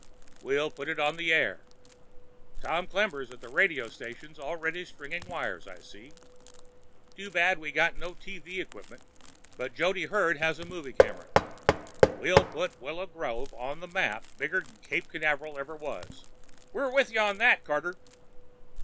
We'll put it on the air Tom Clembers from the radio station's already stringing wires, I see. Too bad we've got no TV equipment, but Jody Hurd has a movie camera. We'll put Willow Grove on the map bigger'n Cape Canaveral ever was." "We're with you on that, Carter!"